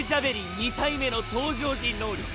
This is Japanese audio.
２体目の登場時能力。